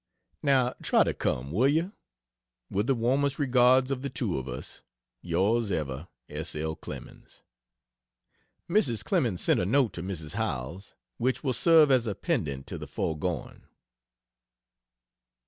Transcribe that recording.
Now try to come will you? With the warmest regards of the two of us Yrs ever, S. L. CLEMENS. Mrs. Clemens sent a note to Mrs. Howells, which will serve as a pendant to the foregoing.